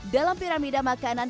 dalam piramida makanan